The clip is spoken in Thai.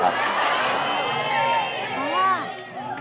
เพราะว่า